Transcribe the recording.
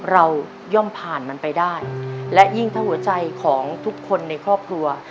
ย่อมผ่านมันไปได้และยิ่งถ้าหัวใจของทุกคนในครอบครัว